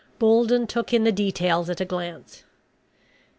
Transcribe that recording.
Bolden took in the details at a glance.